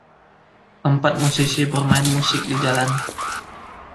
Empat musisi bermain musik di jalan.